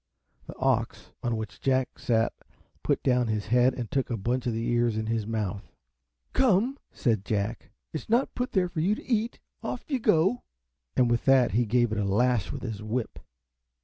The ox on which Jack sat put down his head and took a bunch of the ears in his mouth. "Come," said Jack, "it is not put there for you to eat, off you go!" and with that he gave it a lash with his whip.